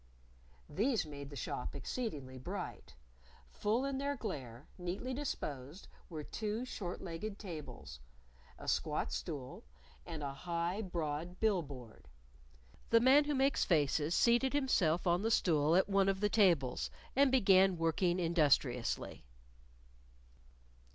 These made the shop exceedingly bright. Full in their glare, neatly disposed, were two short legged tables, a squat stool, and a high, broad bill board. The Man Who Makes Faces seated himself on the stool at one of the tables and began working industriously.